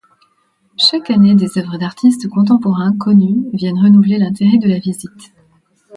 Chaque année des œuvres d'artistes contemporains connus viennent renouveler l'intérêt de la visite.